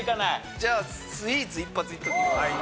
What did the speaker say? じゃあスイーツ一発いっときます。